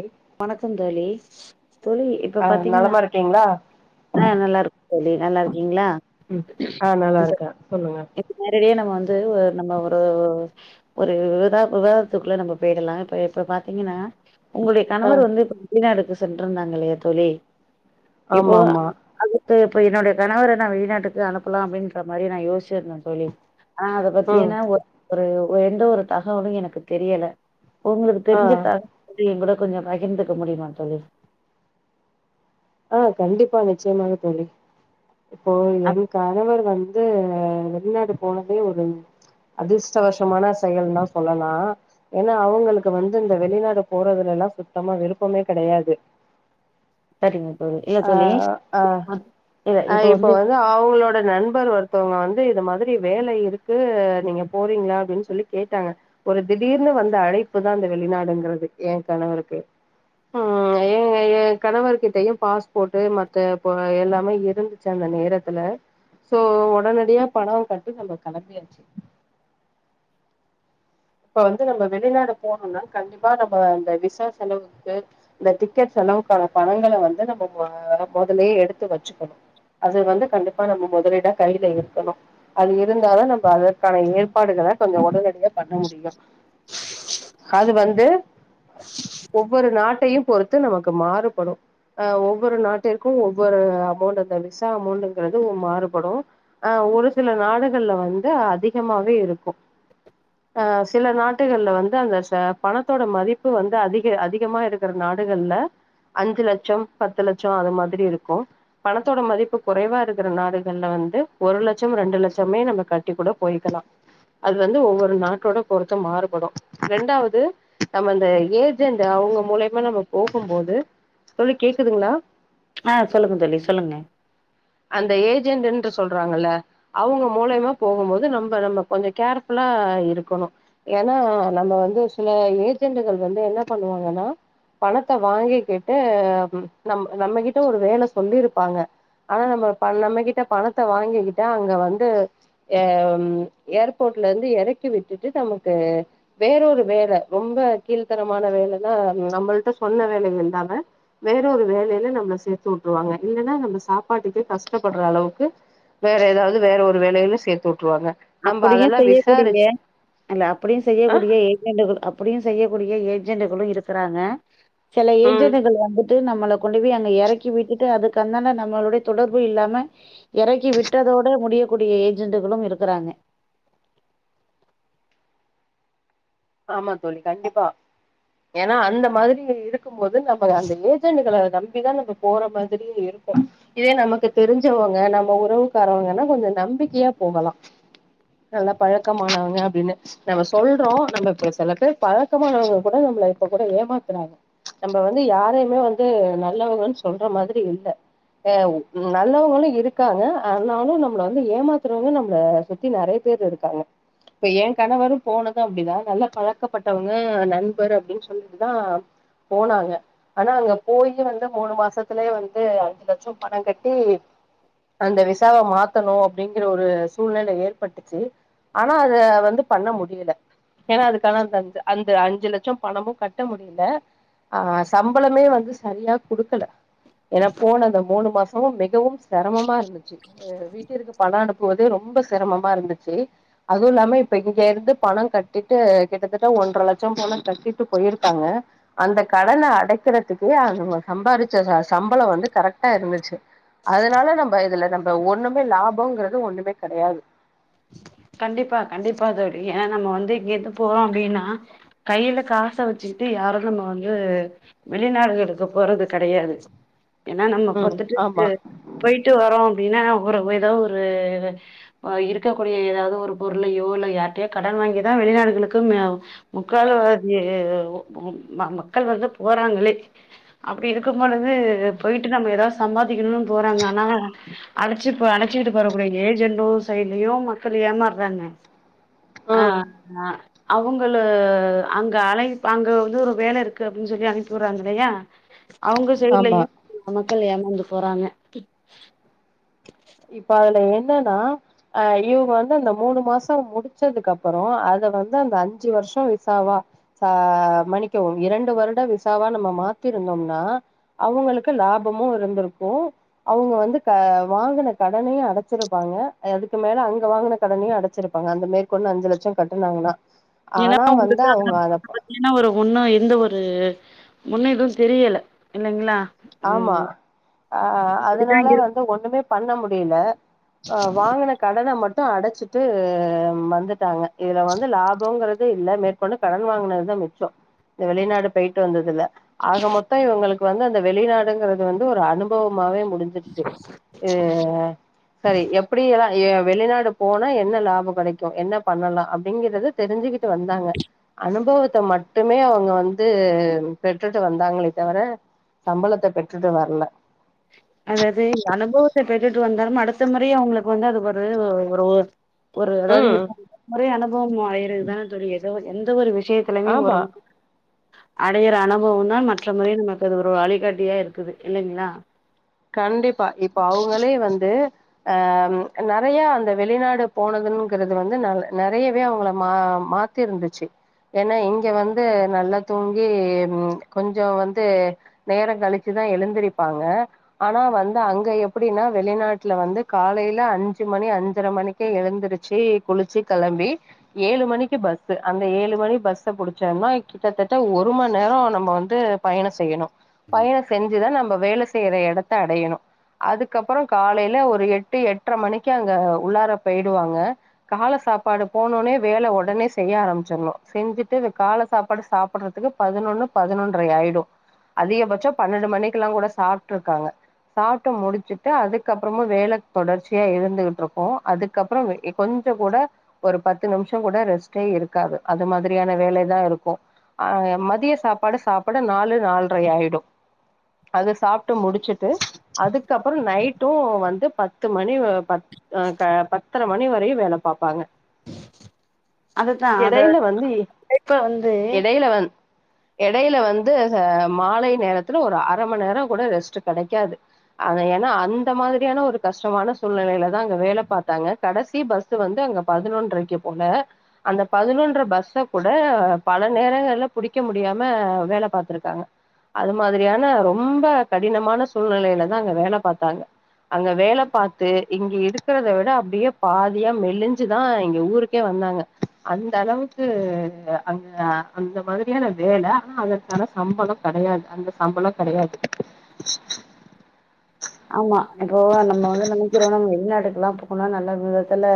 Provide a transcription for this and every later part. ரி வணக்கம் தோழி தோழி இப்ப ஆ பாத்தீங்கன்னா நலமா இருக்கீங்ளா ஆ நல்லாருக் தோழி நல்லா இருக்கீங்ளா ம் ஆ நல்லா இருக்கேன் சொல்லுங்க நேரடியே நம்ம வந்து நம்ப ஒரு ஒரு விவத விவாதத்துக்குள்ள நம்ம போயிக்கலா இப்ப இப்ப பாத்தீங்கன்னா உங்களுடைய ஆ கணவர் வந்து இப்ப வெளிநாடுக்கு சென்றிருந்தாங்க இல்லையா தோழி இப்போ ஆமா ஆமா அதுக்கு இப்ப என்னுட கணவர நா வெளிநாட்டுக்கு அனுப்பலாம் அப்டின்ற மாரி நா யோசிச்சிருந்தன் தோழி ஆ அத பத்தி ம் ஏன்னா ஒரு எந்த ஒரு தகவலும் எனக்கு தெரியல உங்களுக்கு ஆ தெரிஞ்ச தகவல என் கூட கொஞ்ஜோ பகிர்ந்துக்க முடியுமா தோழி ஆ கண்டிப்பா நிச்சயமாக தோழி இப்போ ஆ என் கணவர் வந்து வெளிநாடு போனதே ஒரு அதிர்ஷ்டவஷமான செயல் தான் சொல்லலாம் ஏன்னா அவுங்களுக்கு வந்து இந்த வெளிநாடு போறதுல எல்லாம் சுத்தமா விருப்பமே கெடயாது சரிங்க தோழி இல்ல ஆ தோழி இல்ல இப்ப வந்து இது அவுங்களோட நண்பர் ஒருத்தவங்க வந்து இந்த மாரி வேல இருக்கு நீங்க போறீங்ளா அப்டின்னு சொல்லி கேட்டாங்க ஒரு திடீர்னு வந்த அழைப்பு தான் அந்த வெளிநாடுங்கிறது என் கணவருக்கு ஆ எ யென் கணவர் கிட்டயும் பாஸ் போட்டு மத்த போ எல்லாமே இருந்துச்சு அந்த நேரத்துல சோ ஒடனடியா பணம் கட்டு நம்ப களம்பியாச்சு இப்ப வந்து நம்ப வெளிநாடு போனோம்னா கண்டிப்பா நம்ப அந்த விசா செலவுக்கு இந்த டிக்கெட் செளவுக்கான பணங்கள வந்து நம்ப மொதலியே எடுத்து வெச்சுக்கணும் அது வந்து கண்டிப்பா நம்ப முதலீடா கையில இருக்கணு அது இருந்தாலும் நம்ப அதற்கான ஏற்பாடுகள கொஞ்சோம் உடனடியா பண்ண முடியும் அது வந்து ஒவ்வொரு நாட்டையும் பொறுத்து நமக்கு மாறுபடும் அ ஒவ்வொரு நாட்டிற்கும் ஒவ்வொரு அமௌண்ட் அந்த விசா அமௌண்ட்ங்கிறது மாறுபடும் அ ஒரு சில நாடுகள்ல வந்து அதிகமாவே இருக்கும் அ சில நாட்டுகள்ல வந்து அந்த ச பணத்தோட மதிப்பு வந்து அதிக அதிகமா இருக்கிற நாடுகள்ல அஞ்சு லட்சம் பத்து லட்சம் அது மாதிரி இருக்கு பணத்தோட மதிப்பு குறைவா இருக்கிற நாடுகள்ல வந்து ஒரு லட்சம் ரெண்டு லட்சமே நம்ம கட்டி கூட போய்க்கலா அது வந்து ஒவ்வொரு நாட்டோட பொருத்து மாறுபடு ரெண்டாவது நம்ம அந்த ஏஜெண்ட் அவங்க மூலியமா நம்ம போகும் போது தோழி கேக்குதுங்களா அ சொல்லுங்க தோழி சொல்லுங்க அந்த ஏஜெண்ட் என்று சொல்றாங்கல அவங்க மூலியமா போகும் போது நம்ம நம்ம கொஞ்சோ கேர்புல்லா இருக்கணு ஏன்னா நம்ம வந்து சில ஏஜென்ட்கள் வந்து என்ன பண்ணுவாங்கன்னா பணத்தை வாங்கிக்கிட்டு நம் நம்மகிட்ட ஒரு வேல சொல்லியிருப்பாங்க ஆனா நம்ம நம்மகிட்ட பணத்தை வாங்கிக்கிட்ட அங்க வந்து அ ஏர்போர்ட்ல இருந்து எறக்கி விட்டுட்டு நமக்கு வேறொரு வேல ரொம்ப கீழ்த்தரமான வேலன்னா நம்மள்ட்ட சொன்ன வேலைகள் இல்லாம வேற ஒரு வேலையில நம்ம சேத்து விட்டுருவாங்க இல்லன்னா நம்ம சாப்ப சாப்பாட்டுக்கே கஷ்டப்படுற அளவுக்கு வேற ஏதாவது வேற ஒரு வேலயில சேத்து விட்டுருவாங்க அப்படியு செய்யக்கூடிய இல்ல அந்த அப்படியு ஆ செய்யக்கூடிய ஏஜெண்டுகள் அப்படியு செய்யக்கூடிய ஏஜெண்டுகளு இருக்கிறாங்க சில ம் ஏஜெண்டுகள் வந்துட்டு நம்மள கொண்டு போய் அங்க எறக்கி விட்டுட்டு அதுக்கு அந்தான நம்மளுடைய தொடர்பு இல்லாம எறக்கி விட்டதோட முடியக்கூடிய ஏஜென்ட்களு இருக்கிறாங்க ஆமா தோழி கண்டிப்பா ஏன்னா அந்த மாதிரி இருக்கு போது நம்ம அந்த ஏஜெண்டுகளை நம்பிதான் நம்ம போற மாதிரியு இருக்கு இதே நமக்கு தெரிஞ்சவங்க நம்ம உறவுக்காரவங்கன்னா கொஞ்சோ நம்பிக்கையா போகலா நல்லா பழக்கமானவங்க அப்டின்னு நம்ம சொல்றோ நம்ம இப்ப செல பேர் பழக்கமானவங்க கூட நம்மள இப்ப கூட ஏமாத்துறாங்க நம்ம வந்து யாரையுமே வந்து நல்லவங்கன்னு சொல்ற மாதிரி இல்ல நல்லவங்களு இருக்காங்க ஆனாலு நம்மள வந்து ஏமாத்துறவங்க நம்மள சுத்தி நெறைய பேர் இருக்கு இருக்காங்க இப்ப என் கணவரும் போனதும் அப்டிதா நல்லா பழக்கப்பட்டவங்க நண்பர் அப்டின்னு சொல்லிட்டுதா போனாங்க ஆனா அங்க போயி வந்து மூணு மாசத்துலயே வந்து அஞ்சு லட்சம் பண கட்டி அந்த விசாவை மாத்தணு அப்படிங்கிற ஒரு சூழ்நிலை ஏற்பட்டுச்சு ஆனா அத வந்து பண்ண முடியல ஏன்னா அதுக்கான அந் அந்த அஞ்சு லட்சம் பணமு கட்ட முடியல அ சம்பளமே வந்து சரியா குடுக்கல ஏன்னா போன அந்த மூணு மாசமு மிகவும் சிரமமா இருந்துச்சு அ வீட்டிற்கு பணம் அனுப்புவதே ரொம்ப சிரமமா இருந்துச்சு அதுவு இல்லாம இப்ப இங்க இருந்து பணோ கட் கட்டிட்டு கிட்டத்தட்ட ஒன்றரை லட்சம் போல கட்டிட்டு போயிருக்காங்க அந்த கடனை அடைக்கறதுக்கே அவங்க சம்பாதிச்ச காசு சம்பளம் வந்து கரெக்டா இருந்துச்சு அதனால நம்ம இதுல நம் இப்ப ஒண்ணுமே லாபம்ங்கறது ஒண்ணுமே கெடையாது கண்டிப்பா கண்டிப்பா தோழி ஏன்னா நம்ம வந்து இங்க இருந்து போறோ அப்டின்னா கையில காச வச்சுக்கிட்டு யாரு நம்ம வந்து வெளிநாடுகளுக்கு போறது கெடையாது ஏன்னா நம்ம ம் வந்துட்டு ஆமா போயிட்டு வரோ அப்டின்னா ஒரு ஏதோ ஒரு இரு விக்க கூடிய ஏதாவது ஒரு பொருளையோ இல்ல யார்ட்டயோ கடன் வாங்கிதா வெளிநாடுகளுக்கு முக்கால்வாதி மு ம மக்கள் வந்து போறாங்களே அப்டி இருக்குபொழுது போயிட்டு நம்ம எதாது ஸ் சம்பாதிக்கணுனு போறாங்க ஆனா அழச்சு அணச்சுகிட்டு போரக்கூடிய ஏஜென்ட்டு செயல் இலயு மக்கள் ஏமாறாங்க ஆ ம் ஆ அவுங்களு அங்க அழைப் அங்க வந்து ஒரு வேல இருக்கு அப்டின்னு சொல்லி அனுப்பி வுடுறாங்க இல்லையா அவுங்க ஆமா சைடுலயு மக்கள் ஏமாந்து போறாங்க இப்ப அதுல என்னன்னா அ இவுங்க வந்து அந்த மூணு மாச முடிச்சதுக்கு அப்பறோ அத வந்து அந்த அஞ்சு வருஷோ விசாவா ச மன்னிக்கவும் இரண்டு வருட விசாவா நம்ம மாத்திருந்தோம்னா அவுங்களுக்கு லாபமு இருந்திருக்கு அவுங்க வந்து க வாங்குன கடனையு அடச்சிருப்பாங்க அதுக்கு மேல அங்க வாங்குன கடனையு அடச்சிருப்பாங்க அந்த மேற்கொண்டு அஞ்சு லட்சோ கட்டினாங்கனா ஏனா அவுங்களுக்கு ஆகனும் ஆகல ஏனா ஒரு ஒண்ணு எந்த ஒரு முன்னு எதும் தெரியல இல்லைங்களா ஆமா ம் அ இப்டிதா அதனால இரு வந் து ஒண்ணுமே பண்ண முடியல அ வாங்குன கடன மட் டு அடச்சிட்டு ம் வந்துட்டாங்க இதுல வந்து லாபோங்கறத இல்ல மேட் கொண்டு கடன் வாங்குனது தா மிச்சோ இந்த வெளிநாடு போயிட்டு வந்ததுல ஆக மொத்தோ இவுங்களுக்கு வந்து அந்த இந்த வெளிநாடுங்கிறது வந்து ஒரு அனுபவமாவே முடிஞ்சிருச்சு இ செரி எப்டி எல்லா ஏ வெளிநாடு போனா என்ன லாபோ கெடைக்கு என்ன பண்ணலா அப்டிங்கிறது தெரிஞ்சுக்கிட்டு வந்தாங்க அனுபவத்த மட் டுமே அவுங்க வந்து பெற்றுட்டு வந்தாங்களே தவர சம்பளத்த பெற்றுட்டு வரல அதாவுது அனுபவத்த பெற்றுட்டு வந்தாலுமே அடுத்த முறையு அவுங்களுக்கு வந்து அது ஒரு ஒ ஒரு ஊ ஒரு அதாவது ம் இப்போ முறை அனுபவம் ஆயிதுதான எதோ எந்த ஒரு விஷயத் திலமே ஆமா வரும் அடையிற அனுபவம் தா மற்ற முறை நமக்கு அது ஒரு வழிகாட்டியா இருக்குது இல்லைங்களா கண்டிப்பா இப்ப அவுங்களே வந்து அ நெறைய அந்த வெளிநாடு போனதுங்கிறது வந்து ந நெறையவே அவுங்கள மா மாத் த்திற முடிச்சு ஏனா இங்க வந்து நல்லா தூங்கி ம் கொஞ்ச வந்து நேர கழிச்சுதா எழுந்திரிப்பாங்க ஆனா வந்து அங்க எப்டின்னா வெளிநாட்டுல வந்து காலேல அஞ்சு மணி அஞ்சரை மணிக் கே எழுந்திருச்சி குளிச்சி கெளம்பி ஏழு மணிக்கு பஸ்சு அந்த ஏழு மணி பஸ்ஸ புடிச்சோமாய் கிட்டத்தட்ட ஒரு மண் நேரோ நம்ம வந்து பயண செய்யணு பயண செஞ்சுதா நம்ப வேல செய்ற எடத்த அடையணு அதுக்கப்பறோ காலேல ஒரு எட்டு எட்டரை மணிக்கு அங்க உள்ளார போயிடுவாங்க கால சாப்பாடு போனோனே வேல ஒடனே செய்ய ஆரம்பிச்சிருணு செஞ்சுட்டு கால சாப்பாடு சாப்டுறதுக்கு பதினொன்னு பதினொன்றரை ஆயிடு அதிகபட்சோ பன்னெண்டு மணிக்குல்லா கூட சாப்ட்டு ருக்காங்க சாப்ட்டு முடிச்சுட்டு அதுக்கப்பறமு வேல தொடர்ச்சியா இருந்துகிட்டு இருக்கு அதுக் கப்பறமே இ கொஞ்ச கூட ஒரு பத்து நிம்ஷோ கூட ரெஸ்ட்டே இருக்காது அது மாதிரியான வேலதா இருக்கு ஆ மதிய சாப்பாடு சாப்பட நாலு நால்ரை ஆயிடு அது சாப்டு முடிச்சுட் ட்டு அதுக்கப்பறோ நைட்டு வந்து பத்து மணி வ பத் அ க பத்தரை மணி வரையு வேல பாப்பாங்க அததா அத ஆ இப்ப வந்து இலவன் எடையில வந்து மாலை நேரத்துல ஒரு அர மணி நேரோ கூட ரெஸ்ட் கெடைக்காது அது ஏன்னா அந்த மாதிரியான ஒரு கஷ்டமான சூழ்நிலையில தா அங்க வேலை பாத்தாங்க கடசி பஸ் வந்து அங்க பதினொன்ரைக்கு போல அந்த பதினொன்ற பஸ்ஸ கூட பல நேரங்கள்ல புடிக்க முடியாம வேலை பாத்துருக்காங்க அது மாதிரியான ரொம்ப கடினமான சூழ்நிலையிலதா அங்க வேலை பாத்தாங்க அங்க வேலை பாத்து இங்க இருக்கிறத விட அப்டியே பாதியா மெலிஞ்சிதா இங்க ஊருக்கே வந்தாங்க அந்த அளவுக்கு அங்க அந்த மாதிரியான வேலை ஆனா அதற்கான சம்பளம் கெடையாது அந்த சம்பளம் கெடையாது ஆமா இப்போ நம்ம வந்து நெனைக்கிறோ நம்ம வெளிநாட்டுக்குல்லா போனா நல்ல விதத்துல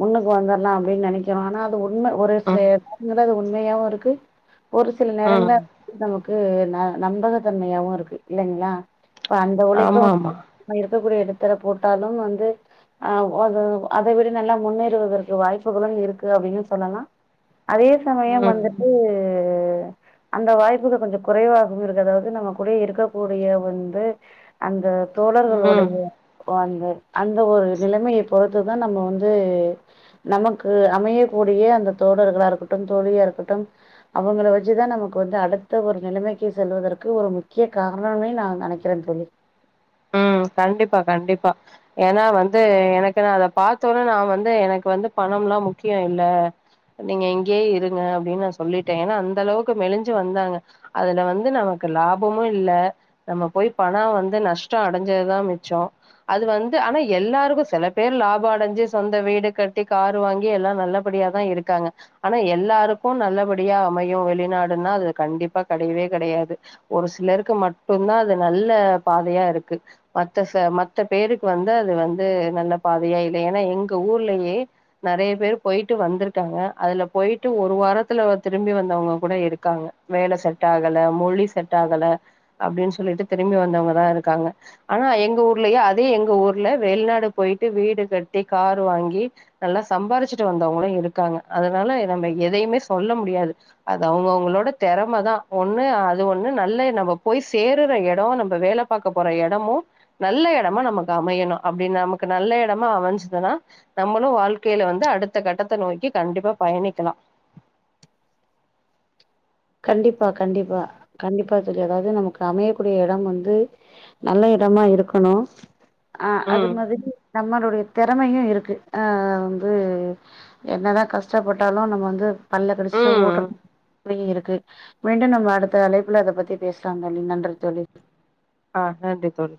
முன்னுக்கு வந்துர்லா அப்டின்னு நெனைக்கி றோ ஆனா அது உண்மை ஒரு சில ம் நேரங்கள்ல அது உண்மையாவு இருக்கு ஒரு சில நேரங்கள்ல ம் நமக்கு ந நம்பகத்தன்மையாவு இருக்கு இல்லைங்களா இப்ப அந்த உழைப் ஆமா ஆமா நம்ம இருக்கக்கூடிய இடத்துல போட்டாலும் வந்து ஆ அத அத விட நல்லா முன்னேறுவதற்கு வாய்ப்புகளு இருக்கு அப்டின்னு சொல்லலா அதே சமயம் ம் வந்துட்டு அந்த வாய்ப்புகள் கொஞ்சம் குறைவாக இருக்க அதாவது நம்ம கூட இருக்கக்கூடிய வந்து அந்த ம் தோழர்களுடைய ஓ அந்த அந்த ஒரு நிலைமைய பொறுத்துதா நம்ம வந்து நமக்கு அமையக்கூடிய அந்த தோழர்களா இருக்கட்டும் தோழியா இருக்கட்டும் அவுங்கள வச்சுதா நமக்கு வந்து அடுத்த ஒரு நிலைமைக்கு செல்வதற்கு ஒரு முக்கிய காரணோன்னே நா நெனைக் கிறே தோழி ம் கண்டிப்பா கண்டிப்பா ஏன்னா வந்து எனக்கு நா அத பாத்த ஒன்னே நா வந்து எனக்கு வந்து பணம்ல்லா முக்கியோ இல்ல நீங்க இங்கயே இருங்க அப்டின்னு நா சொல்லிட்டே ஏன்னா அந்த அளவுக்கு மெலிஞ்சி வந்தாங்க அதுல வந்து நமக்கு லாபமு இல்ல நம்ம போய் பணோ வந்து நஷ் டோ அடைஞ்சதுதா மிச்சோ அது வந்து ஆனா எல்லாருக்கு சில பேர் லாபோ அடைஞ்சி சொந்த வீடு கட்டி காரு வாங்கி எல்லா நல்ல படியாதா இருக்காங்க ஆனா எல்லாருக்கு நல்லபடியா அமையு வெளிநாடுன்னா அது கண்டிப்பா கெடையவே கெடையாது ஒரு சிலர்க்கு மட்டுந்தா அது நல்ல பாதையா இருக் கு மத்த மத்த பேருக்கு வந்து அது வந்து நல்ல பாதையா இல்ல ஏன்னா எங்க ஊர்லயே நெறைய பேர் போயிட்டு வந்துருக்காங்க அதுல போயிட்டு ஒரு வாரத்துல திரும்பி வந்தவங்க கூட இருக்காங்க வேலை செட் ஆகல மொழி செட் ஆகல அப்டின் சொல்லிட்டு திரும்பி வந்தவங்க தா இருக்காங்க ஆனா எங்க ஊர்லயே அதே எங்க ஊர்ல வெளிநாடு போயிட்டு வீடு கட்டி காரு வாங்கி நல்லா சம்பாரிச்சிட்டு வந்தவங்களு இருக்காங்க அதனால நம்ம எதையுமே சொல்ல முடியாது அது அவுங்கவுங்களோட திறமைதா ஒண்ணு அது ஒண்ணு நல்ல நம்ம போய் சேருற எடோ நம்ம வேலை பாக்க போற எடமு நல்ல எடமா நமக்கு அமையணு அப்டி நமக்கு நல்ல எடமா அமைஞ்சதுன்னா நம்மளு வாழ்க்கேல வந்து அடுத்த கட்டத்தை நோக்கி கண்டிப்பா பயணிக்கலா கண்டிப்பா கண்டிப்பா கண்டிப்பா தோழி அதாவது நமக்கு அமையக்கூடிய எடம் வந்து நல்ல எடமா இருக்கணு ஆ அது ம் மாதிரி நம்மளுடைய திறமையு இருக்கு ஆ வந்து என்னதா கஷ்டப்பட்டாலு நம்ம வந்து பல்ல கடிச்சிட்டு ஓட்ற ம் திறமையு இருக் கு மீண்டும் நம்ம அடுத்த அழைப்புல அத பத்தி பேசலா தோழி நன்றி தோழி ஆ நன்றி தோழி